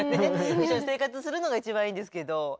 一緒に生活するのが一番いいですけど。